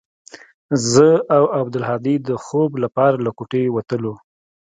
زه او عبدالهادي د خوب لپاره له كوټې وتلو.